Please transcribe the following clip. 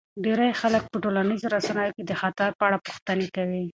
ډیری خلک په ټولنیزو رسنیو کې د خطر په اړه پوښتنې کوي.